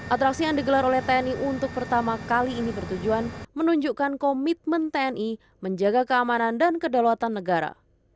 atraksi yang digelar oleh tni untuk pertama kali ini bertujuan menunjukkan komitmen tni menjaga keamanan dan kedaulatan negara